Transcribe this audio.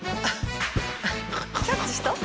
キャッチした？